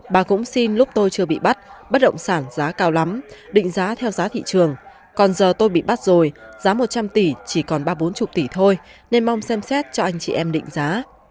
bà cũng xin lúc tôi chưa bị bắt bất động sản giá cao lắm định giá theo giá thị trường còn giờ tôi bị bắt rồi giá một trăm linh tỷ chỉ còn ba bốn mươi tỷ thôi nên mong xem xét cho anh chị em định giá